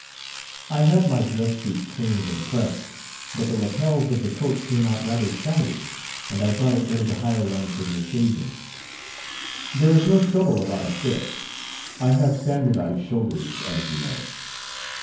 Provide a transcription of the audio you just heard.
"I had my dress suit cleaned and pressed, but the lapels of the coat came out rather shiny, and I thought it better to hire one for the occasion. There was no trouble about a fit I have standardized shoulders, as you know.